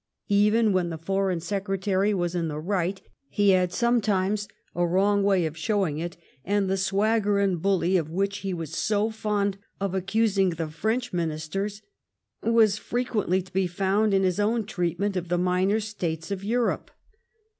Even when the Foreign Secretary was in the right, he had sometimes a wrong way of show ing it ; and the " swagger and bully " of which he was so fond of accusing the French Ministers was frequently to be found in his own treatment of the minor Slates of Europe.